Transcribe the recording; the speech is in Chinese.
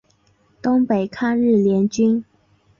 东北抗日联军。